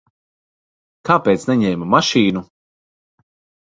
Kāpēc neņēma mašīnu?